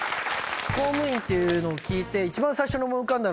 公務員っていうのを聞いて。